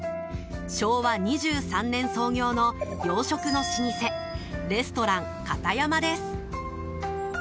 昭和２３年創業の洋食の老舗レストランカタヤマです。